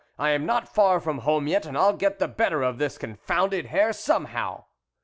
I am not far from home yet, and I'll get the better of this con founded hair somehow."